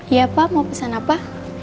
iya pak mau pesan apa